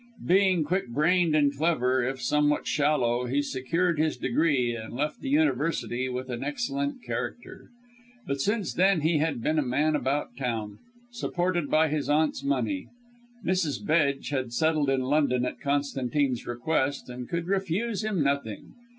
Being quick brained and clever, if somewhat shallow, he secured his degree, and left the University with an excellent character. Since then he had been a man about town, supported by his aunt's money. Mrs. Bedge had settled in London at Constantine's request, and could refuse him nothing.